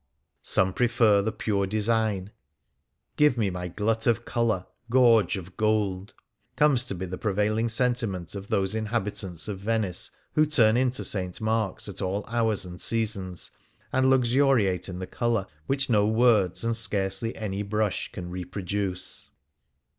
'^ Some prefer tlie pure design : Give me my glut of colour^ §"or, je of gold/' comes to be the prevailing sentiment of those inhabitants of Venice who turn into St. Mark's at all hours and seasons, and luxuriate in the colour which no words and scarcely any brush can reproduce.